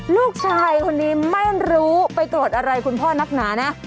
ลูกชายคนนี้ไม่รู้ไปโกรธอะไรคุณพ่อนักหนานะ